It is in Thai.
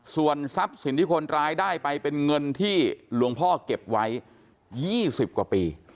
ส่วนทรัพย์สินที่คนร้ายได้ไปเป็นเงินที่หลวงพ่อเก็บไว้๒๐กว่าปี